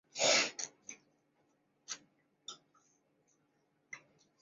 主楼东侧的二楼上有拜占廷风格的小尖穹顶与塔楼相互映衬。